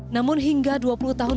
namun hingga dua puluh tahun